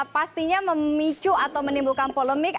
pastinya memicu atau menimbulkan polemik